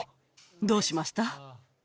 どうしました？